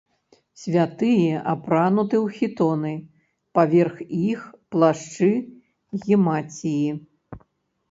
Святыя апрануты ў хітоны, паверх іх плашчы-гімаціі.